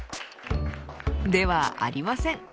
ではありません。